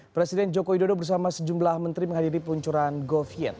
presiden joko widodo bersama sejumlah menteri menghadiri peluncuran goviet